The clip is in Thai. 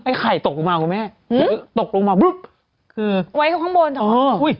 ไข่ตกลงมาคุณแม่คือตกลงมาบึ๊บคือไว้ข้างบนอ๋ออุ้ย